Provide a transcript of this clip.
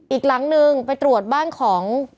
อีกหลังนึงไปตรวจบ้านของ